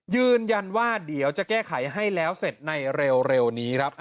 ยืนยันว่าเดี๋ยวจะแก้ไขให้แล้วเสร็จในเร็วนี้ครับ